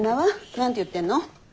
何て言ってるの？